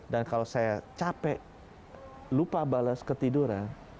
dan kalau saya capek lupa bales ketiduran